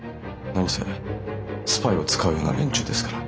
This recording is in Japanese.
何せスパイを使うような連中ですから。